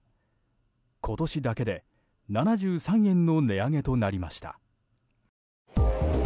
今年だけで７３円の値上げとなりました。